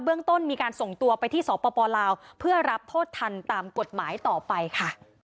ต้นมีการส่งตัวไปที่สปลาวเพื่อรับโทษทันตามกฎหมายต่อไปค่ะ